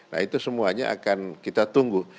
nah itu semuanya akan kita tunggu